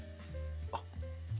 あっ。